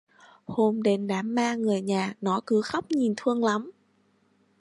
Hôm đến đám ma người nhà nó cứ khóc nhìn thương lắm